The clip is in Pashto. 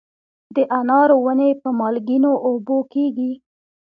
د انارو ونې په مالګینو اوبو کیږي؟